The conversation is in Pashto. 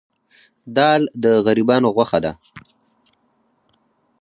دال د غریبانو غوښه ده.